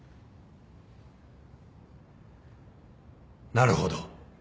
なるほど。